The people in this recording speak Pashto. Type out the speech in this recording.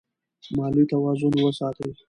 مالي توازن وساتئ.